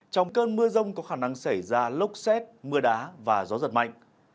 trong cơn mưa rông có khả năng xảy ra lốc xét mưa đá và gió giật mạnh